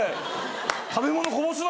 食べ物こぼすなよ！